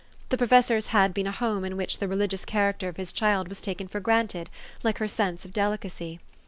The professor's had been a home in which the religious character of his child was taken for granted, like her sense of delicacy.